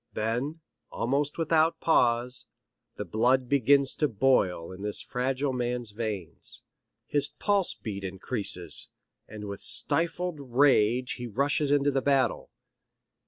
Then, almost without pause, the blood begins to boil in this fragile man's veins. His pulse beat increases, and with stifled rage he rushes into the battle.